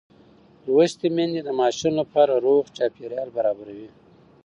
لوستې میندې د ماشوم لپاره روغ چاپېریال برابروي.